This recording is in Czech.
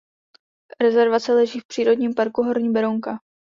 Rezervace leží v přírodním parku Horní Berounka.